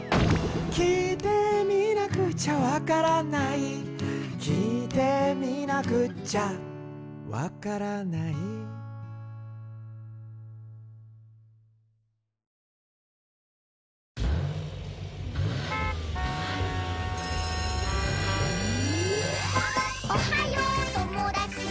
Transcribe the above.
「聞いてみなくちゃわからない」「聞いてみなくっちゃわからない」「サンキュー！」